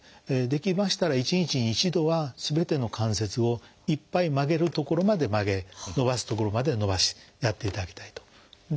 できましたら１日に１度はすべての関節をいっぱい曲げるところまで曲げ伸ばすところまでは伸ばしやっていただきたいと。